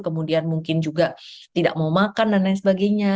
kemudian mungkin juga tidak mau makan dan lain sebagainya